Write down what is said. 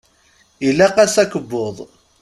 Ilaq-as akebbuḍ.